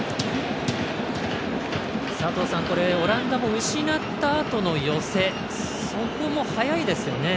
佐藤さん、オランダも失ったあとの寄せそこも早いですよね。